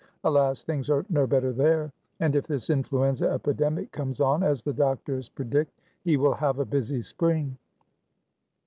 Alas, things are no better there, and if this influenza epidemic comes on, as the doctors predict, he will have a busy spring."